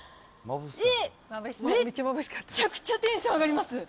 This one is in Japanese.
えっ、めちゃくちゃテンション上がります。